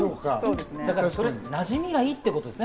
なじみがいいってことですね。